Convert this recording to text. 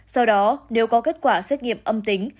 sau đó nếu có kết quả xét nghiệm âm tính